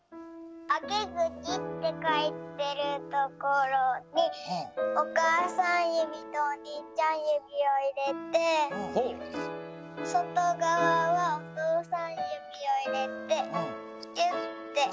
「あけぐち」ってかいてるところにおかあさんゆびとおにいちゃんゆびを入れてそとがわはおとうさんゆびを入れてギュッて。